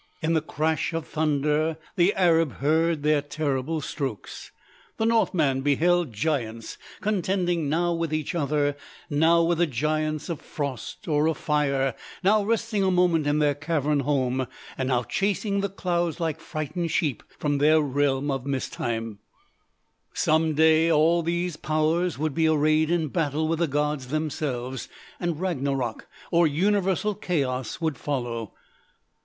In the crash of the thunder the Arab heard their terrible strokes. The Northman beheld giants, contending now with each other, now with the giants of frost or of fire; now resting a moment in their cavern home now chasing the clouds like frightened sheep from their realm of Mistheim. Some day all these powers would be arrayed in battle with the gods themselves, and Ragnarok, or universal chaos would follow.